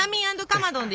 かまどん！